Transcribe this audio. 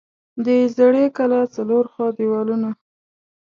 د زړې کلا څلور خوا دیوالونه